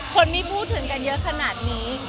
คนไม่พูดถึงกันเยอะขนาดนี้